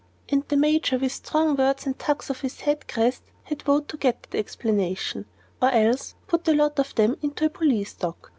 And the Major, with strong words and tugs of his head crest, had vowed to get that explanation, or else put the lot of them into a police dock.